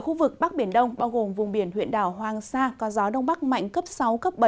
khu vực bắc biển đông bao gồm vùng biển huyện đảo hoàng sa có gió đông bắc mạnh cấp sáu cấp bảy